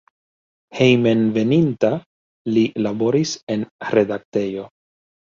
Hejmenveninta li laboris en redaktejo.